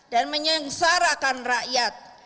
dan menyengsarakan rakyat